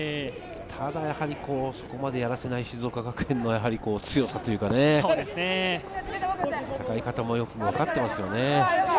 ただそこまでやらせない静岡学園の強さというか、戦い方もよくわかっていますよね。